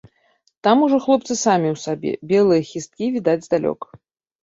Там ужо хлопцы самі ў сабе, белыя хісткі відаць здалёк.